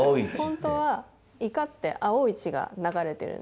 本当はイカって青い血が流れてるんですよ。